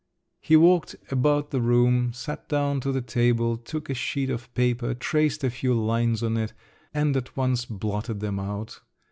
… He walked about the room, sat down to the table, took a sheet of paper, traced a few lines on it, and at once blotted them out….